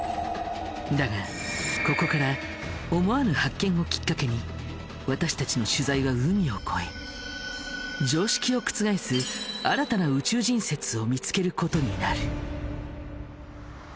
だがここからをきっかけに私たちの取材は海を越え常識を覆すを見つけることになる。